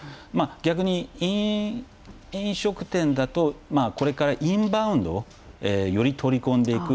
逆に飲食店だとこれからインバウンドより取り込んでいく。